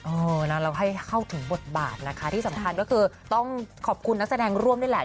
เออนะเราให้เข้าถึงบทบาทนะคะที่สำคัญก็คือต้องขอบคุณนักแสดงร่วมด้วยแหละ